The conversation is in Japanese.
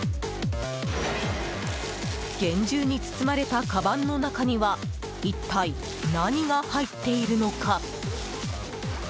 厳重に包まれたかばんの中には一体、何が入っているのか？